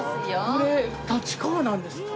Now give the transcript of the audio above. これ立川なんですか？